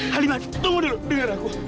halimah tunggu dulu dengar aku